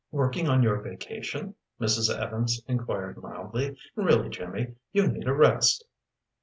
"Working on your vacation?" Mrs. Evans inquired mildly. "Really, Jimmy, you need a rest."